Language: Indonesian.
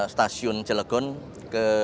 stasiun jelegon ke